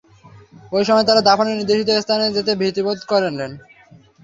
ঐ সময় তারা দাফনের নির্দেশিত স্থানে যেতে ভীতিবোধ করলেন।